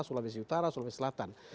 sulawesi utara sulawesi selatan